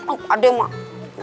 oh pade mah